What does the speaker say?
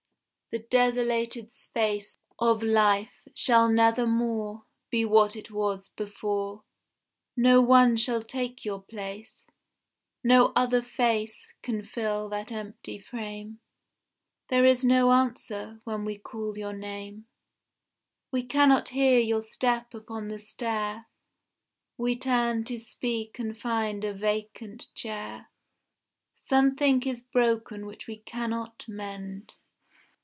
The desolated space Of life shall nevermore Be what it was before. No one shall take your place. No other face Can fill that empty frame. There is no answer when we call your name. We cannot hear your step upon the stair. We turn to speak and find a vacant chair. Something is broken which we cannot mend.